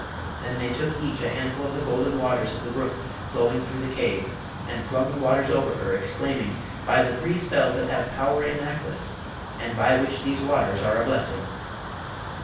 Then they took each a handful of the golden waters of the brook flowing through the cave, and flung the waters over her, exclaiming, 'By the three spells that have power in Aklis, and by which these waters are a blessing!'